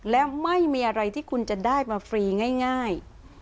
และไม่มีอะไรที่คุณจะได้มาฟรีง่าย